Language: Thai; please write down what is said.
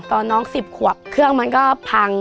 ตอนน้อง๑๐ขวบเครื่องมันก็พัง